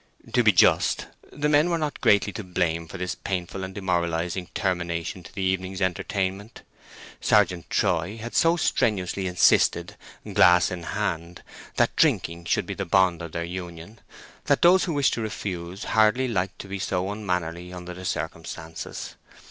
To be just, the men were not greatly to blame for this painful and demoralizing termination to the evening's entertainment. Sergeant Troy had so strenuously insisted, glass in hand, that drinking should be the bond of their union, that those who wished to refuse hardly liked to be so unmannerly under the circumstances.